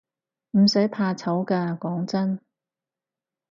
唔使怕醜㗎，講真